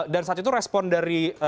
dan saat itu respon dari